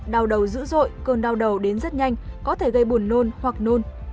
đau đầu dữ dội cơn đau đầu đến rất nhanh có thể gây buồn nôn hoặc nôn